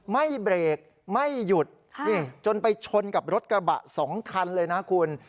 ไม่เบรกไม่หยุดจนไปชนกับรถกระบะ๒คันเลยนะคุณ